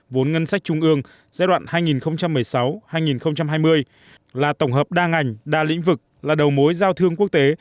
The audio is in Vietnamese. vốn ngân sách trung ương giai đoạn hai nghìn một mươi sáu hai nghìn hai mươi là tổng hợp đa ngành đa lĩnh vực là đầu mối giao thương quốc tế